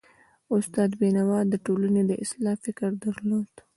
استاد بینوا د ټولني د اصلاح فکر درلود.